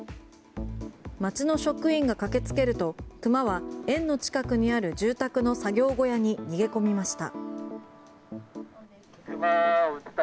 町の職員が駆けつけると熊は園の近くにある住宅の作業小屋に逃げ込みました。